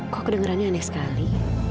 kok kedengerannya aneh sekali